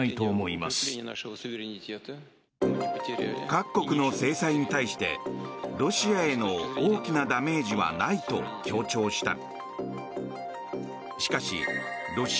各国の制裁に対してロシアへの大きなダメージはないと強調した。